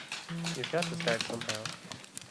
You've got to start somehow.